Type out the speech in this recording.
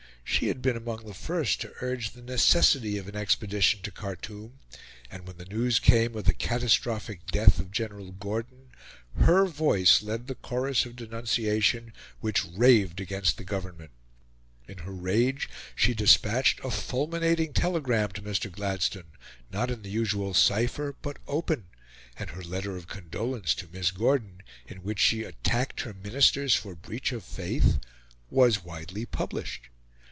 She had been among the first to urge the necessity of an expedition to Khartoum, and, when the news came of the catastrophic death of General Gordon, her voice led the chorus of denunciation which raved against the Government. In her rage, she despatched a fulminating telegram to Mr. Gladstone, not in the usual cypher, but open; and her letter of condolence to Miss Gordon, in which she attacked her Ministers for breach of faith, was widely published.